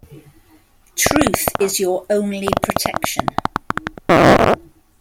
Truth is your only protection.